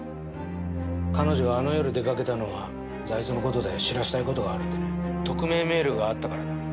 彼女があの夜出掛けたのは財津の事で知らせたい事があるって匿名メールがあったからだ。